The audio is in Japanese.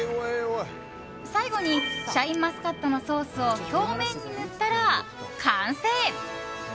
最後にシャインマスカットのソースを表面に塗ったら完成。